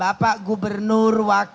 oh iya beneran